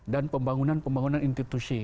dan pembangunan pembangunan institusi